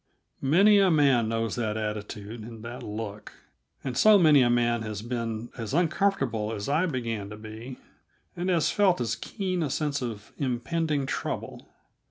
Many a man knows that attitude and that look, and so many a man has been as uncomfortable as I began to be, and has felt as keen a sense of impending trouble.